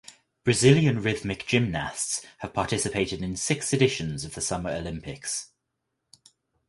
Brazilian rhythmic gymnasts have participated in six editions of the Summer Olympics.